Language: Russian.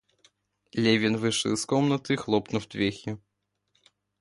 Левин вышел из комнаты, хлопнув дверью.